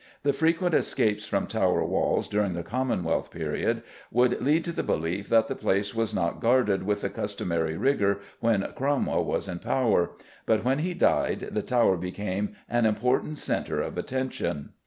The frequent escapes from Tower walls during the Commonwealth period would lead to the belief that the place was not guarded with the customary rigour when Cromwell was in power, but when he died the Tower became an important centre of attention.